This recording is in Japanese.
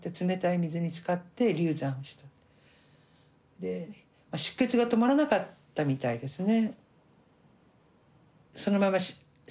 で出血が止まらなかったみたいですね。